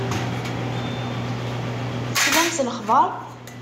Teslam s lexber?